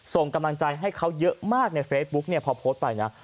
ส่งกำลังใจให้เขาเยอะมากในเฟซบุ๊กเนี่ยพอโพสต์ไปนะ